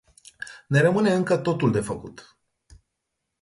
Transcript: Ne rămâne încă totul de făcut.